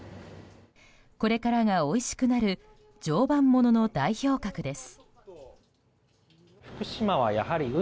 これからがおいしくなる常磐ものの代表格です。